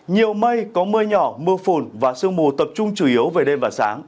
nhiều mây có mưa nhỏ mưa phùn và sương mù tập trung chủ yếu về đêm và sáng